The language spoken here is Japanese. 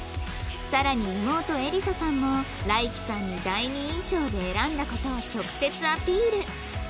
さらに妹えりささんも ＲＡｉＫＩ さんに第二印象で選んだ事を直接アピール